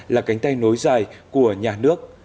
là cánh tay nối dài của nhà nước